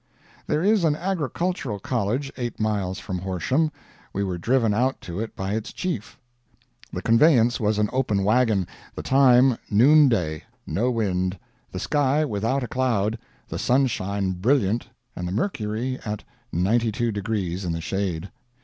There is an agricultural college eight miles from Horsham. We were driven out to it by its chief. The conveyance was an open wagon; the time, noonday; no wind; the sky without a cloud, the sunshine brilliant and the mercury at 92 deg. in the shade.